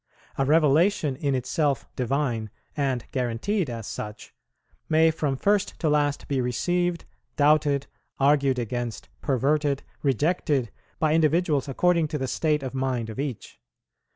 A revelation, in itself divine, and guaranteed as such, may from first to last be received, doubted, argued against, perverted, rejected, by individuals according to the state of mind of each.